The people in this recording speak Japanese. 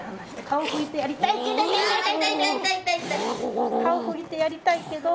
顔拭いてやりたいけど。